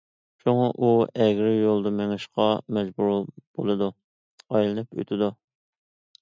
شۇڭا ئۇ ئەگرى يولدا مېڭىشقا مەجبۇر بولىدۇ، ئايلىنىپ ئۆتىدۇ.